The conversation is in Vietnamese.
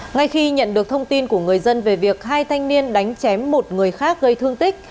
ngay khi nhận được thông tin của người dân về việc hai thanh niên đánh chém một người khác gây thương tích